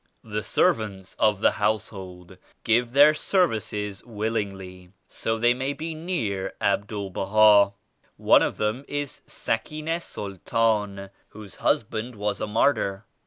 The servants of the Household give their services willingly, so they may be near Abdul Baha. One of them is Sakrina Sultana, whose husband was a martyr.